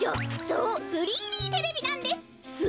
そう３Ｄテレビなんです。